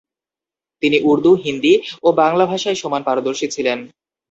তিনি উর্দু, হিন্দী ও বাংলা ভাষায় সমান পারদর্শী ছিলেন।